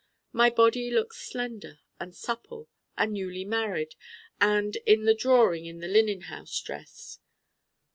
My Body looks slender and supple and newly married and in the drawing in the linen house dress.